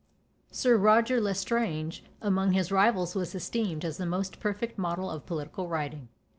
Sir Roger L'Estrange among his rivals was esteemed as the most perfect model of political writing.